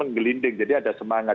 menggelinding jadi ada semangat